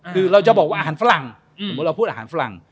คือเราจะบอกว่าอาหารฝรั่งสมมุติเราพูดอาหารฝรั่ง